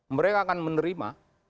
mereka akan menerima